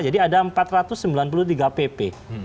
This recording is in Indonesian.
jadi ada empat ratus sembilan puluh tiga pp